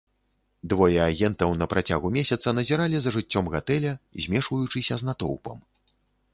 Двое агентаў на працягу месяца назіралі за жыццём гатэля, змешваючыся з натоўпам.